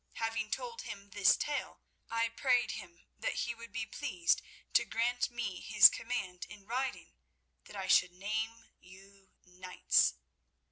Having told him this tale, I prayed him that he would be pleased to grant me his command in writing that I should name you knights.